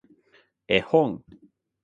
絵本